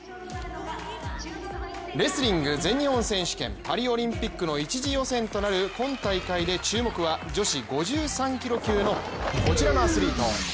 レスリング全日本選手権パリオリンピックの１次予選となる今大会で注目は女子５３キロ級のこちらのアスリート。